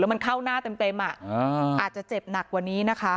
มันเข้าหน้าเต็มอาจจะเจ็บหนักกว่านี้นะคะ